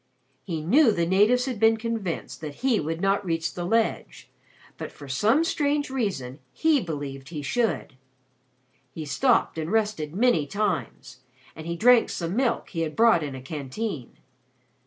He knew the natives had been convinced that he would not reach the ledge; but for some strange reason he believed he should. He stopped and rested many times, and he drank some milk he had brought in a canteen.